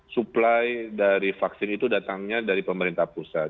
supply dari vaksin itu datangnya dari pemerintah pusat